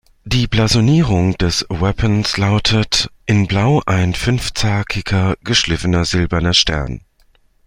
Die Blasonierung des Wappens lautet: "In Blau ein fünfzackiger, geschliffener silberner Stern.